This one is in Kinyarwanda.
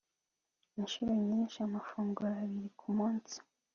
Inshuro nyinshi amafunguro abiri ku munsi